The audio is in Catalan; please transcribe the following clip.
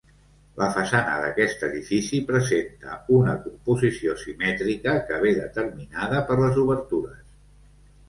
La façana d'aquest edifici presenta una composició simètrica que ve determinada per les obertures.